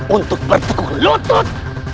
untuk bertukuk lutut